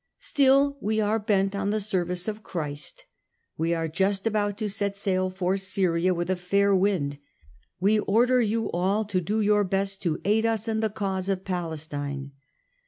Still we are bent on the service of Christ ; we are just about to set sail for Syria with a fair wind. We order you all to do your best to aid us and the cause of Palestine."